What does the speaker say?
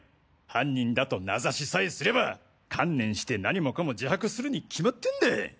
犯人だと名指しさえすれば観念して何もかも自白するに決まってんだ。